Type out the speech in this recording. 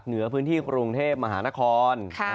เหนือพื้นที่กรุงเทพมหานคร